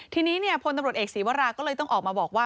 ทีนี้พลตำรวจเอกศีวราก็เลยต้องออกมาบอกว่า